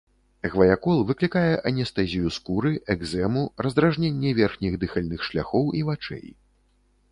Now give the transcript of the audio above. Гваякол выклікае анестэзію скуры, экзэму, раздражненне верхніх дыхальных шляхоў і вачэй.